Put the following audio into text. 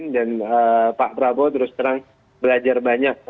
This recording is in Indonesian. dan pak prabowo terus terang belajar banyak